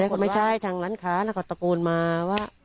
แล้วก็ไม่ใช่ทางร้านค้านะก็ตะโกนมาว่า